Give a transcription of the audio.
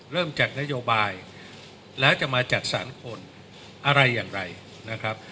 จัดนโยบายแล้วจะมาจัดสรรคนอะไรอย่างไรนะครับ